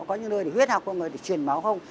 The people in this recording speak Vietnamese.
có những nơi huyết học của người thì chuyển máu không